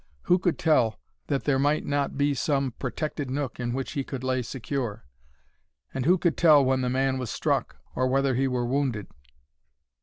Who could tell that there might not be some protected nook in which he could lay secure? And who could tell when the man was struck, or whether he were wounded?